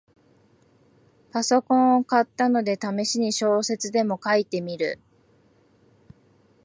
パソコンを買ったので、ためしに小説でも書いてみる